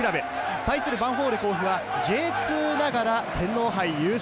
対する、ヴァンフォーレ甲府はＪ２ながら天皇杯優勝。